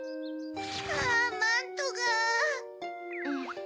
あマントが。